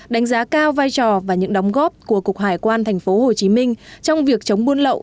đánh giá cao vai trò và những đóng góp của cục hải quan tp hcm trong việc chống buôn lậu